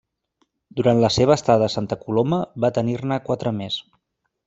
Durant la seva estada a Santa Coloma van tenir-ne quatre més.